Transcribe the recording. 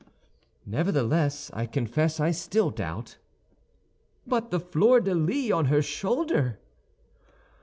"Nevertheless, I confess I still doubt." "But the fleur de lis on her shoulder?"